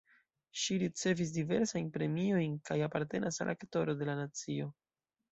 Ŝi ricevis diversajn premiojn kaj apartenas al Aktoro de la nacio.